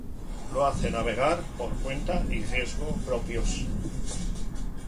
Lo hace navegar por cuenta y riesgo propios.